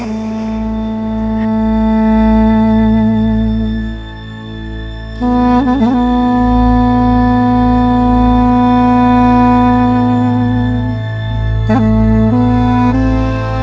ibu daya menunggu di sini